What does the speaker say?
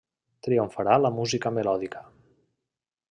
Triomfarà la música melòdica.